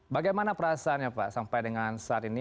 bagaimana perasaannya pak sampai dengan saat ini